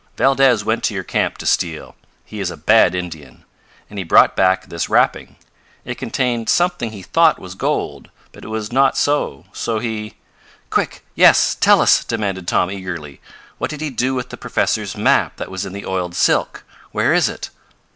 Valdez went to your camp to steal he is a bad Indian and he brought back this wrapping. It contained something he thought was gold, but it was not, so he " "Quick! Yes! Tell us!" demanded Tom eagerly. "What did he do with the professor's map that was in the oiled silk? Where is it?"